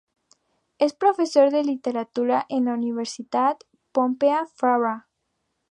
Es profesor de literatura en la Universitat Pompeu Fabra.